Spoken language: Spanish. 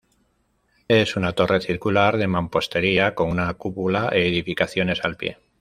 Es una torre circular de mampostería, con una cúpula e edificaciones al pie.